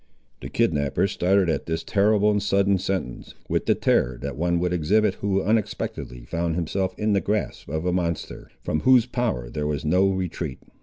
The kidnapper started at this terrible and sudden sentence, with the terror that one would exhibit who unexpectedly found himself in the grasp of a monster, from whose power there was no retreat.